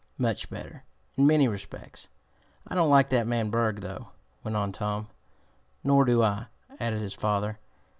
"Much better, in many respects." "I don't like that man Berg, though," went on Tom. "Nor do I," added his father.